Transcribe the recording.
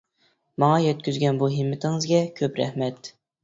ماڭا يەتكۈزگەن بۇ ھىممىتىڭىزگە كۆپ رەھمەت!